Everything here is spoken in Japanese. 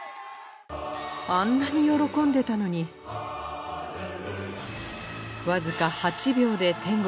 あんなに喜んでたのにわずか。